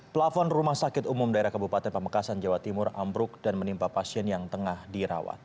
pelafon rumah sakit umum daerah kabupaten pamekasan jawa timur ambruk dan menimpa pasien yang tengah dirawat